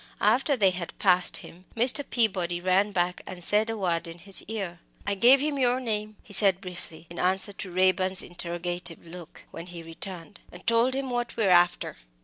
After they had passed him, Mr. Peabody ran back and said a word in his ear. "I gave him your name," he said briefly, in answer to Raeburn's interrogative look, when he returned, "and told him what we were after.